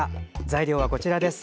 材料はこちらです。